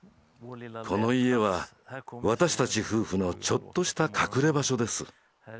この家は私たち夫婦のちょっとした隠れ場所です。